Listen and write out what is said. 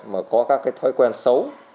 mà có các cái thói quen xấu